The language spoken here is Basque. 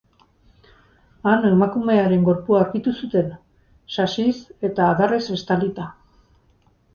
Han, emakumearen gorpua aurkitu zuten, sasiz eta adarrez estalita.